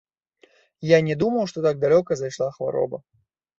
Я не думаў, што так далёка зайшла хвароба.